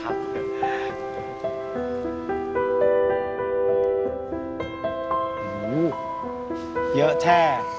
โอ้โหเยอะแช่